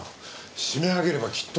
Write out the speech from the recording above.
締め上げればきっと。